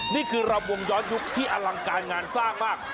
นี่คือรำวงย้อนยุคที่อลังการงานสร้างมาก